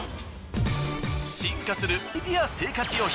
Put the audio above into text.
進化するアイデア生活用品。